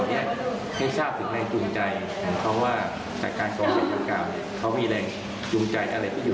เขามีอะไรยุงใจอะไรไม่อยู่ลึกกันได้